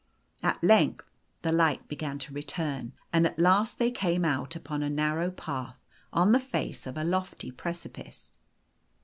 At length the light began to return, and at last they came out upon a narrow path on the face of a lofty precipice.